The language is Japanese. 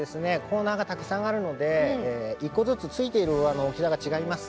コーナーがたくさんあるので１個ずつついている大きさが違います。